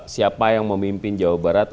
siapa yang memimpin jawa barat